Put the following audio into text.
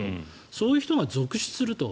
そういう人が続出すると。